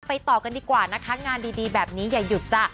ต่อกันดีกว่านะคะงานดีแบบนี้อย่าหยุดจ้ะ